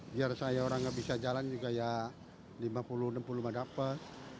biar saya orang nggak bisa jalan juga ya lima puluh enam puluh mbak dapat